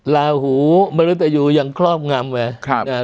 ลาหูไม่รู้แต่อยู่อย่างครอบงำไว้